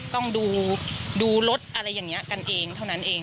ต้องดูรถอะไรอย่างนี้กันเองเท่านั้นเอง